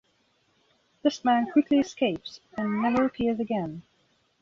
This man quickly escapes and never appears again.